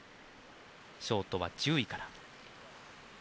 ショートは１０位から。